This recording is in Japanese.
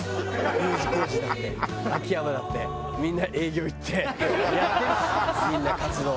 Ｕ字工事だって秋山だってみんな営業行ってやってるしみんな活動。